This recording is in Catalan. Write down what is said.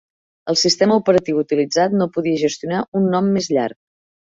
El sistema operatiu utilitzat no podia gestionar un nom més llarg.